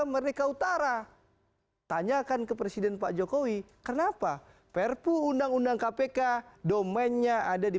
merdeka utara tanyakan ke presiden pak jokowi kenapa perpu undang undang kpk domennya ada di